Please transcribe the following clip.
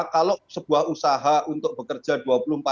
kalau sebuah usaha untuk bekerja dua puluh empat jam